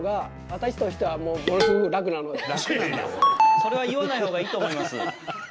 それは言わないほうがいいと思います。